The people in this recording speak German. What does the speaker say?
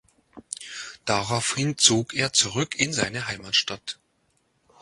Daraufhin zog er zurück in seine Heimatstadt.